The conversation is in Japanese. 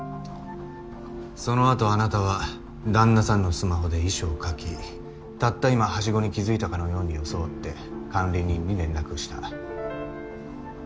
そのあとあなたは旦那さんのスマホで遺書を書きたった今ハシゴに気付いたかのように装って管理人に連絡した。